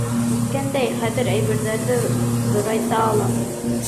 Әйткәндәй, хәҙер әйберҙәрҙе ҙурайта алам.